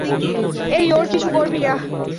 এই ওর কিছু করবি না।